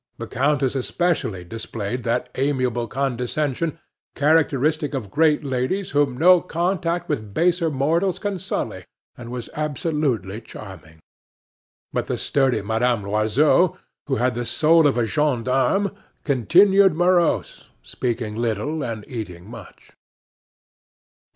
The countess especially displayed that amiable condescension characteristic of great ladies whom no contact with baser mortals can sully, and was absolutely charming. But the sturdy Madame Loiseau, who had the soul of a gendarme, continued morose, speaking little and eating much.